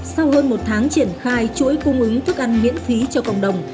sau hơn một tháng triển khai chuỗi cung ứng thức ăn miễn phí cho cộng đồng